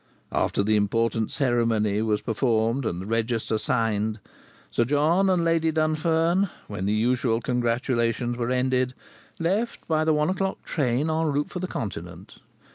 After the important ceremony was performed, and the register signed, Sir John and Lady Dunfern, when the usual congratulations were ended, left by the one o'clock train en route for the Continent.